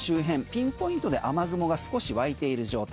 ピンポイントで雨雲が少し湧いている状態。